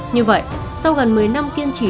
như vậy sau gần một mươi năm kiên trì